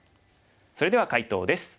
それでは解答です。